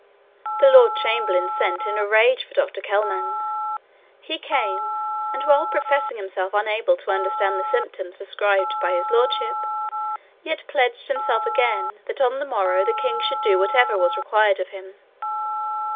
The lord chamberlain sent in a rage for Dr Kelman. He came, and while professing himself unable to understand the symptoms described by His Lordship, yet pledged himself again that on the morrow the king should do whatever was required of him.